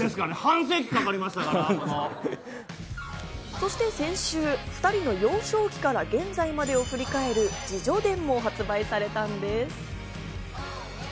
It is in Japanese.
そして先週、２人の幼少期から現在までを振り返る自叙伝も発売されたんです。